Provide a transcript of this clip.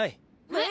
えっ！？